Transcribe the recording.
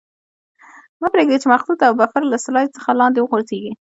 مه پرېږدئ چې مخلوط او بفر له سلایډ څخه لاندې وغورځيږي.